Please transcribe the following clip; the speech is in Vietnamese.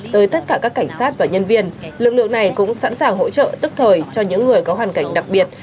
tới tất cả các cảnh sát và nhân viên lực lượng này cũng sẵn sàng hỗ trợ tức thời cho những người có hoàn cảnh đặc biệt